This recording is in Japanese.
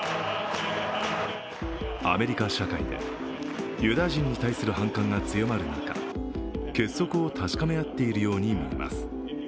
アメリカ社会でユダヤ人に対する反感が強まる中、結束を確かめ合っているようにみえます。